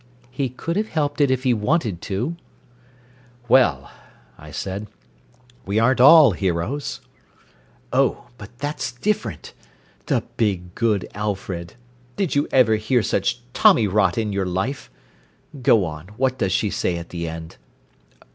"He could have helped it if he'd wanted to." "Well," I said. "We aren't all heroes." "Oh, but that's different! The big, good Alfred! did you ever hear such Tommy rot in your life? Go on what does she say at the end?"